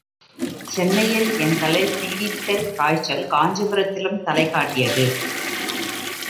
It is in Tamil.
சென்னையில் எங்களைப் பீடித்த காய்ச்சல் காஞ்சிபுரத்திலும் தலை காட்டியது.